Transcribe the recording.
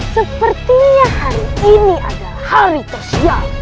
sepertinya hari ini adalah hari sosial